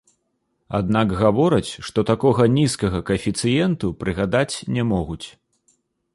Аднак гавораць, што такога нізкага каэфіцыенту прыгадаць не могуць.